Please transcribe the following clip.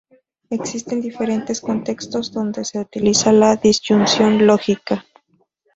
Existen diferentes contextos donde se utiliza la disyunción lógica.